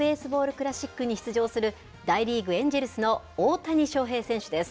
クラシックに出場する大リーグ・エンジェルスの大谷翔平選手です。